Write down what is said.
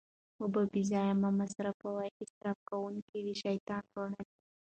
اوبه بې ځایه مه مصرفوئ، اسراف کونکي د شيطان وروڼه دي